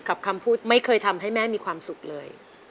คำพูดไม่เคยทำให้แม่มีความสุขเลย